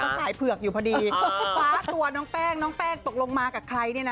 สายเผือกอยู่พอดีคว้าตัวน้องแป้งน้องแป้งตกลงมากับใครเนี่ยนะ